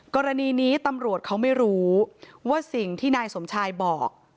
กรณีนี้ตำรวจเขาไม่รู้ว่าสิ่งที่นายสมชายบอก